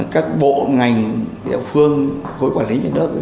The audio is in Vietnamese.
các bộ ngành địa phương hội quản lý nhân đất